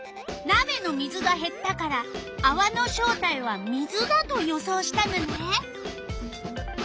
なべの水がへったからあわの正体は水だと予想したのね。